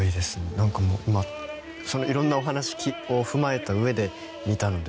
なんか色んなお話を踏まえた上で見たので。